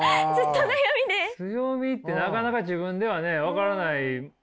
強みってなかなか自分ではね分からないですよね。